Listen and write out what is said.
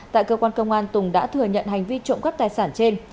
tại cơ quan công an tùng đã thừa nhận hành vi trộm cắp tài sản trên